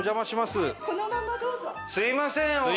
すみません！